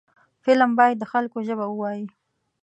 فلم باید د خلکو ژبه ووايي